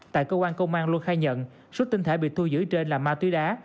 tại cơ quan công an luân khai nhận số tinh thể bị thu giữ trên là ma túy đá